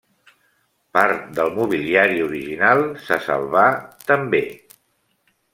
Part del mobiliari original se salvà, també.